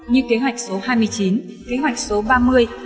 như kế hoạch số hai mươi chín kế hoạch số ba mươi